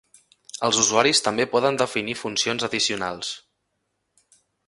Els usuaris també poden definir funcions addicionals.